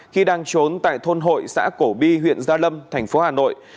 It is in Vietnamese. khi đang trốn tại thôn hội xã cổ bi huyện gia lâm thành phố hà nội